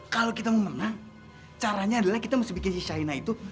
kalau kita mau menang caranya adalah kita mesti bikin si china itu